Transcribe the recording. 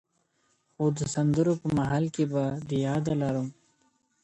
خو د سندرو په محل کي به دي ياده لرم.